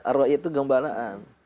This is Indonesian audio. arro'iyah itu gembalaan